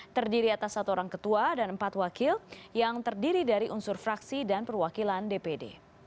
terdiri atas satu orang ketua dan empat wakil yang terdiri dari unsur fraksi dan perwakilan dpd